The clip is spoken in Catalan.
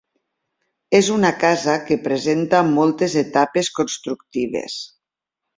És una casa que presenta moltes etapes constructives.